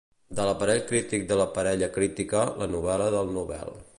«De l'aparell crític de La parella crítica, la novel·la del Nobel».